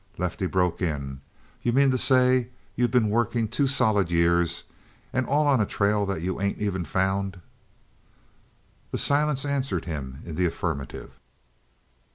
Lefty broke in: "You mean to say you've been working two solid years and all on a trail that you ain't even found?" The silence answered him in the affirmative.